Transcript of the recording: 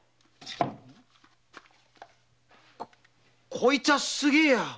こいつはすげえや！